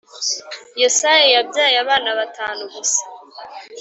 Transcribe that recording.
yesaya yabyaye abana batanu gusa